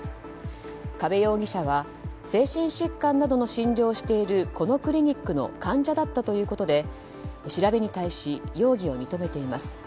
加部容疑者は精神疾患などを診療しているこのクリニックの患者だったということで調べに対し容疑を認めています。